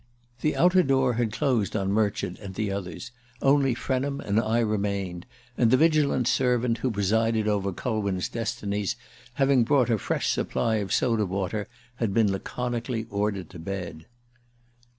The outer door had closed on Murchard and the others; only Frenham and I remained; and the vigilant servant who presided over Culwin's destinies, having brought a fresh supply of soda water, had been laconically ordered to bed.